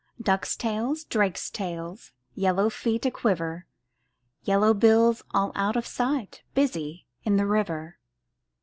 Ducks' tails, drakes' tails, Yellow feet a quiver. Yellow bills all out of sight, Busy in the river!